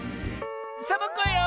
サボ子よ！